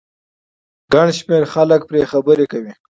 ګن شمېر خلک پرې خبرې کوي